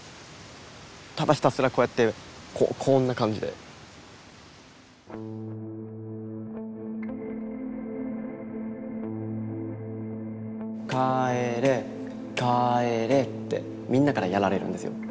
ただひたすらこうやってこうこんな感じで。ってみんなからやられるんですよ。